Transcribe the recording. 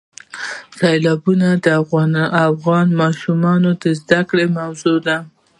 سیلابونه د افغان ماشومانو د زده کړې موضوع ده.